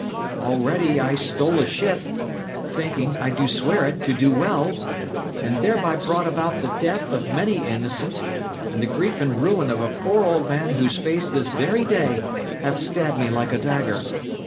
Already I stole a ship thinking, I do swear it, to do well and thereby brought about the death of many innocent, and the grief and ruin of a poor old man whose face this very day hath stabbed me like a dagger.